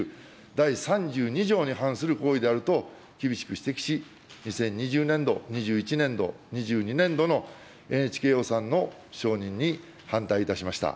第３２条に反する行為であると、厳しく指摘し、２０２０年度、２１年度、２２年度のＮＨＫ予算の承認に反対いたしました。